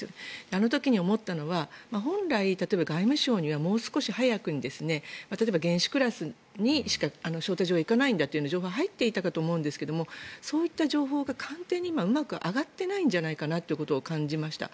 あの時に思ったのは本来例えば外務省にはもう少し早くに例えば、元首クラスにしか招待状が行かないんだという情報が入っていたかと思うんですがそういう情報が今、官邸にうまく上がっていないんじゃないかなというのを感じました。